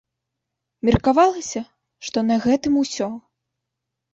Меркавалася, што на гэтым усё.